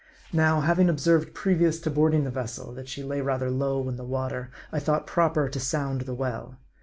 Now, having observed, previous to boarding the vessel, that she lay rather low in the water, I thought proper to sound the well.